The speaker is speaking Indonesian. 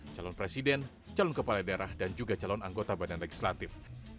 calon presiden calon kepala daerah dan juga calon anggota badan legislatif